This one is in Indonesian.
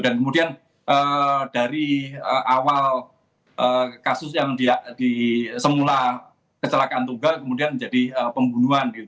dan kemudian dari awal kasus yang disemula kecelakaan tunggal kemudian menjadi pembunuhan